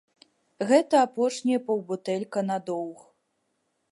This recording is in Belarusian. Гэта апошняя паўбутэлька на доўг.